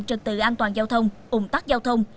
trực tự an toàn giao thông ủng tắc giao thông